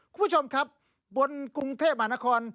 คุณผู้ชมครับบนกรุงเทพมหานคร